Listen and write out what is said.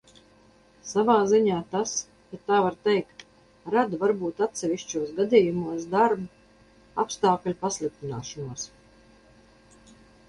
Savā ziņā tas, ja tā var teikt, rada varbūt atsevišķos gadījumos darba apstākļu pasliktināšanos.